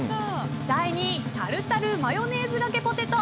第２位タルタルマヨネーズがけポテト。